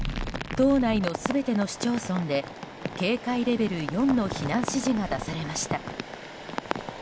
島内の全ての市町村で警戒レベル４の避難指示が出されました。